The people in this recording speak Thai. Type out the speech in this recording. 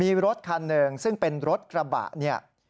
มีรถคันหนึ่งซึ่งเป็นรถกระบะเนี่ย